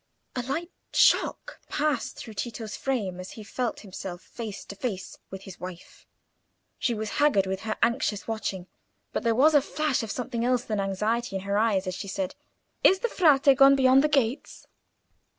A slight shock passed through Tito's frame as he felt himself face to face with his wife. She was haggard with her anxious watching, but there was a flash of something else than anxiety in her eyes as she said— "Is the Frate gone beyond the gates?"